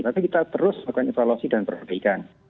tapi kita terus lakukan evaluasi dan perbaikan